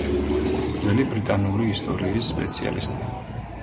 ძველი ბრიტანული ისტორიის სპეციალისტი.